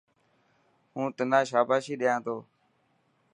هون تنا شاباشي ڏيا تو.